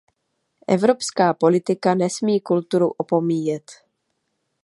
Evropská politika nesmí kulturu opomíjet.